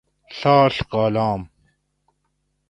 ڷڷ کالام